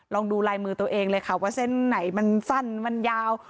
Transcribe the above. ลองดูลายมือตัวเองเลยค่ะว่าเส้นไหนมันสั้นมันยาว